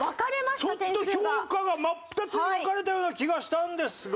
ちょっと評価が真っ二つに分かれたような気がしたんですが。